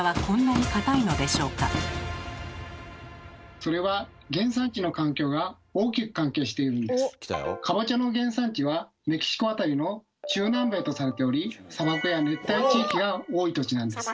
それはかぼちゃの原産地はメキシコ辺りの中南米とされており砂漠や熱帯地域が多い土地なんです。